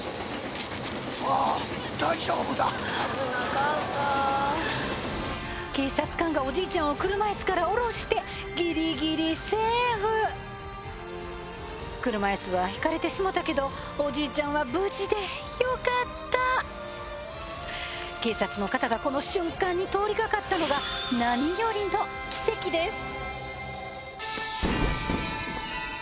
ああ大丈夫だ危なかったー警察官がおじいちゃんを車いすから降ろしてギリギリセーフ車いすはひかれてしもたけどおじいちゃんは無事でよかった警察の方がこの瞬間に通りかかったのが何よりの奇跡です